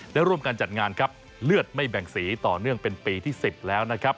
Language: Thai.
และร่วมการจัดงานเลือดไม่แบ่งสีต่อเนื่องเป็นปีที่๑๐แล้ว